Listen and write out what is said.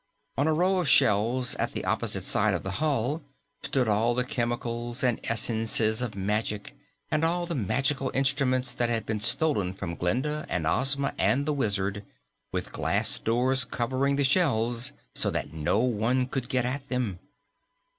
On a row of shelves at the opposite side of the hall stood all the chemicals and essences of magic and all the magical instruments that had been stolen from Glinda and Ozma and the Wizard, with glass doors covering the shelves so that no one could get at them.